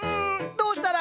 どうしたら！